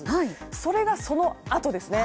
それが、そのあとですね。